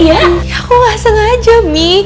iya aku gak sengaja mi